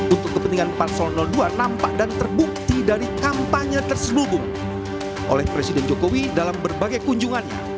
untuk kepentingan empat ratus dua nampak dan terbukti dari kampanye terselubung oleh presiden jokowi dalam berbagai kunjungannya